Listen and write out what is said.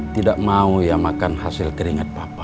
tidak mau ya makan hasil keringet papa